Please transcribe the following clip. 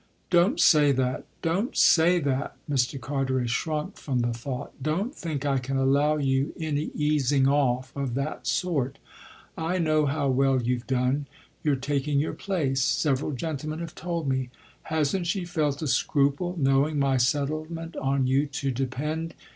"Don't say that, don't say that !" Mr. Carteret shrunk from the thought. "Don't think I can allow you any easing off of that sort. I know how well you've done. You're taking your place. Several gentlemen have told me. Hasn't she felt a scruple, knowing my settlement on you to depend